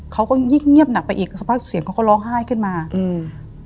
เขาก็ยิ่งเงียบหนักไปอีกสภาพเสียงเขาก็ร้องไห้ขึ้นมาอืม